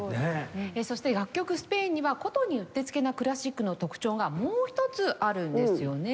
そして楽曲『スペイン』には箏にうってつけなクラシックの特徴がもう一つあるんですよね。